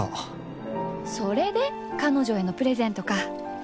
それでカノジョへのプレゼントか。